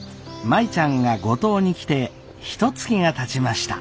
舞ちゃんが五島に来てひとつきがたちました。